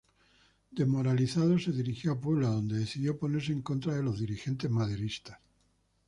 Desmoralizado, se dirigió a Puebla, donde decidió ponerse en contra de los dirigentes maderistas.